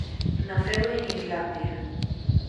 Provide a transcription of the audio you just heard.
Naceu en Islandia.